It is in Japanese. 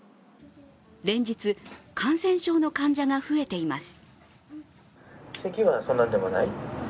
連日、感染症の患者が増えています。